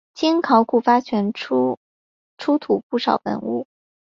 经考古发掘出土不少文物。